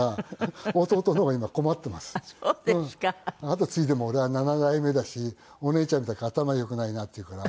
後継いでも俺は７代目だしお姉ちゃんみたく頭よくないなって言うから。